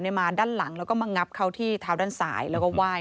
มาด้านหลังแล้วก็มางับเขาที่เท้าด้านซ้ายแล้วก็ไหว้